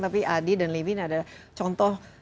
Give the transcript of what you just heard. tapi adi dan levin adalah contoh